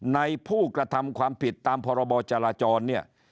ในผู้กระทำความผิดตามพรบจราจรเนี่ย